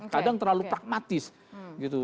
kadang terlalu pragmatis gitu